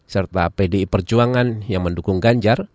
serta pdi perjuangan yang mendukung ganjar